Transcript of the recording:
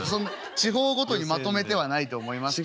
地方ごとにまとめてはないと思いますけど。